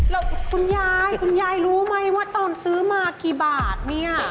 แล้วคุณยายคุณยายรู้ไหมว่าตอนซื้อมากี่บาทเนี่ย